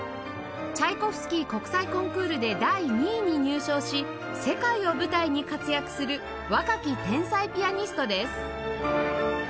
チャイコフスキー国際コンクールで第２位に入賞し世界を舞台に活躍する若き天才ピアニストです